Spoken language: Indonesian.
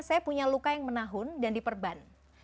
saya punya luka yang menahun dan diperban